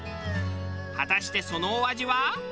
果たしてそのお味は。